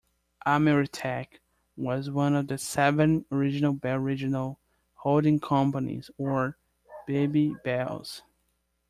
Ameritech was one of the seven original Bell Regional Holding Companies, or "Baby Bells".